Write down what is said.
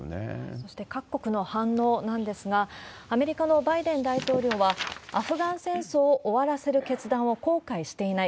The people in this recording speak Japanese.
そして各国の反応なんですが、アメリカのバイデン大統領は、アフガン戦争を終わらせる決断を後悔していない。